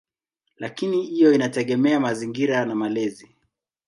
Lakini hiyo inategemea mazingira na malezi.